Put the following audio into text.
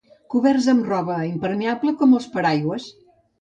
Coberts amb roba impermeable, com els paraigües.